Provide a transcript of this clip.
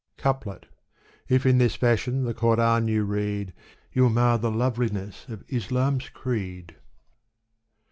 Couplet If m this fashion the Koran you read. You'll mar the loveliness of Islam's creed.